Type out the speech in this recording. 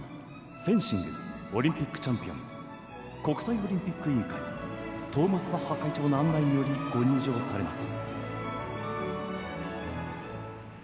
フェンシングオリンピックチャンピオン国際オリンピック委員会トーマス・バッハ会長の案内により、ご入場されます。